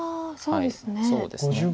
そうですね。